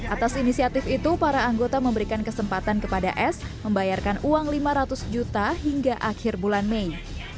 atas inisiatif itu para anggota memberikan kesempatan kepada s membayarkan uang lima ratus juta hingga akhir bulan mei